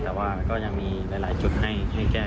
แต่ว่าก็ยังมีหลายจุดให้แก้